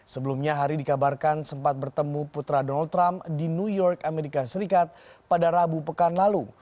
sebelumnya hari dikabarkan sempat bertemu putra donald trump di new york amerika serikat pada rabu pekan lalu